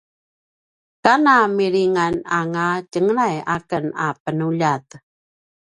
kana milingananga tjenglay aken a penuljat